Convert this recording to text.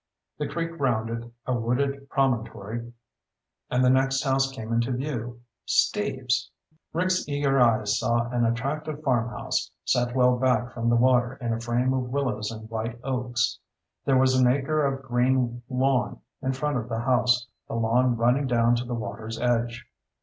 The creek rounded a wooded promontory and the next house came into view. Steve's! Rick's eager eyes saw an attractive farmhouse, set well back from the water in a frame of willows and white oaks. There was an acre of green lawn in front of the house, the lawn running down to the water's edge.